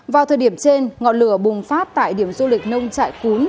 vào thời điểm trên ngọn lửa bùng phát tại điểm du lịch nông trại cúm